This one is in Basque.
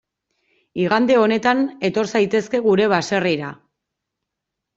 Igande honetan etor zaitezke gure baserrira.